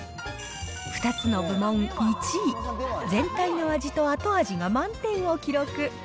２つの部門１位、全体の味と後味が満点を記録。